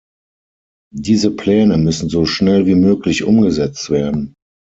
Diese Pläne müssen so schnell wie möglich umgesetzt werden.